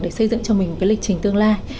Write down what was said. để xây dựng cho mình một cái lịch trình tương lai